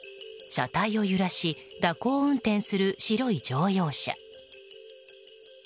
車体を揺らし蛇行運転する白い乗用車。